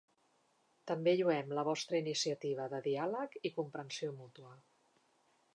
També lloem la vostra iniciativa de diàleg i comprensió mútua.